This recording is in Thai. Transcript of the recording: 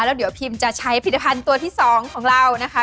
แล้วเดี๋ยวพิมจะใช้ผลิตภัณฑ์ตัวที่๒ของเรานะคะ